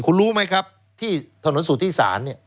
คุณรู้ไหมครับที่ถนนสู่ที่สาร